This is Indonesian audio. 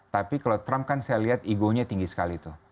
tapi kalau trump kan saya lihat ego nya tinggi sekali itu